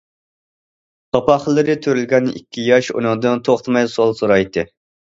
قاپاقلىرى تۈرۈلگەن ئىككى ياش ئۇنىڭدىن توختىماي سوئال سورايتتى.